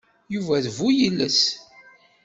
Yuba d bu-yiles.